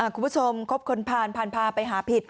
คุณผู้ชมครบคนผ่านผ่านพาไปหาผิด